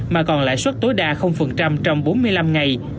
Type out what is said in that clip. mà còn lãi suất tối đa trong bốn mươi năm ngày